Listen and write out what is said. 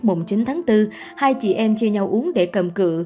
mùng chín tháng bốn hai chị em chia nhau uống để cầm cự